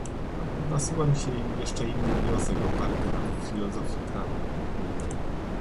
Nasuwa mi się jeszcze inny wniosek, oparty na filozofii prawa